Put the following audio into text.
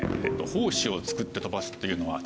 胞子を作って飛ばすっていうのはですね